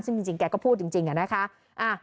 ซึ่งจริงแกก็พูดจริงอะนะคะ